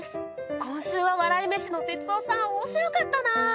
今週は笑い飯の哲夫さん面白かったな。